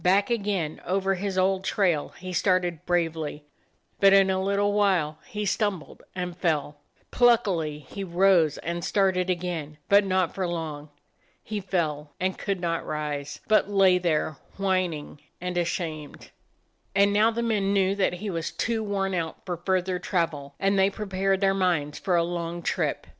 Back again, over his old trail, 49 DOG HEROES OF MANY LANDS he started bravely, but in a little while he stumbled and fell. Pluckily he rose and started again, but not for long. He fell, and could not rise, but lay there, whining jand ashamed. And now the men knew that he was too worn out for further travel, and they prepared their minds for a long trip.